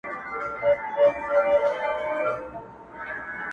o وځم له كوره له اولاده شپې نه كوم ـ